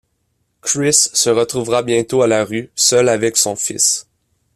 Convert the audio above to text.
Chris se retrouvera bientôt à la rue, seul avec son fils.